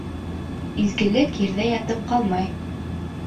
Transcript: Изгелек ерҙә ятып ҡалмай